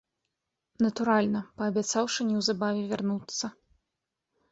Натуральна, паабяцаўшы неўзабаве вярнуцца.